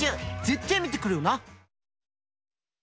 ぜってえ見てくれよな！